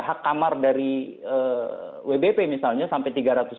hak kamar dari wbp misalnya sampai tiga ratus